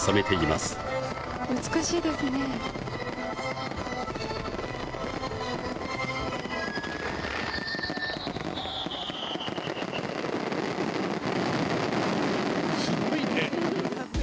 すごいね。